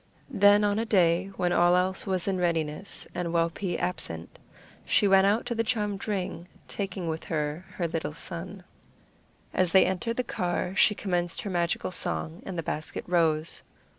Then on a day when all was in readiness and Wau pee absent, she went out to the charmed ring, taking with her her little son. As they entered the car she commenced her magical song, and the basket rose.